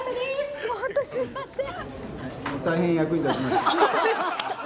もう本当すいません！